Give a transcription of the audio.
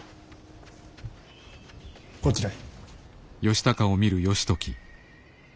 こちらへ。